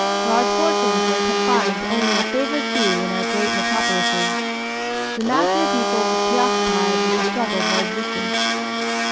Large fortunes were confined to only a favored few in our great metropolises. The mass of the people was preoccupied with the struggle for existence.